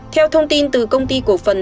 theo thông tin từ công ty cổ phần